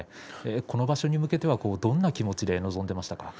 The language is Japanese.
この場所に向けてどんな気持ちで臨んでいましたか。